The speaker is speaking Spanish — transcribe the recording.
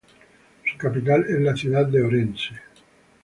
Su capital es la ciudad de Orense.